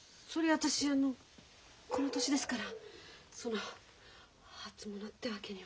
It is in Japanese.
私あのこの年ですからその初物ってわけには。